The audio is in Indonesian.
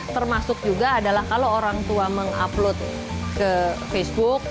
termasuk juga adalah kalau orang tua mengupload ke facebook